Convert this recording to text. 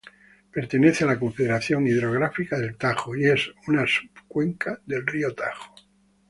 Pertenece a la Confederación Hidrográfica del Tajo y es una subcuenca del río Tajo.